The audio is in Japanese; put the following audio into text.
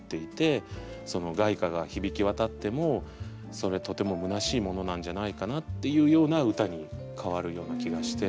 凱歌が響き渡ってもそれとてもむなしいものなんじゃないかなっていうような歌に変わるような気がして。